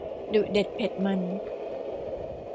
ดุเด็ดเผ็ดมัน